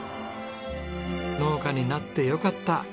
農家になってよかった。